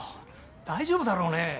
大丈夫だろうね？